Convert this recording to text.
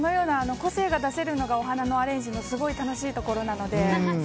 個性が出せるのがお花のアレンジのすごい楽しいところなので。